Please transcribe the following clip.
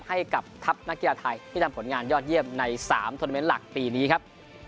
ให้กับทัพนักกีฬาไทยที่ทำผลงานยอดเยี่ยมใน๓ทวเมนต์หลักปีนี้ครับ